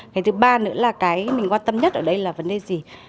cái thứ ba nữa là cái mình quan tâm nhất ở đây là vấn đề gì